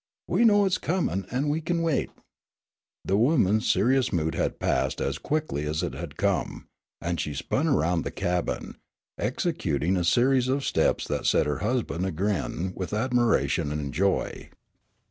"We know it's comin' an' we kin wait." The woman's serious mood had passed as quickly as it had come, and she spun around the cabin, executing a series of steps that set her husband a grin with admiration and joy.